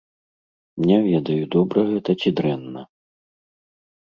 Не ведаю, добра гэта ці дрэнна.